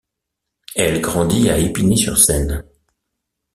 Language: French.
Elle grandit à Épinay-sur-Seine.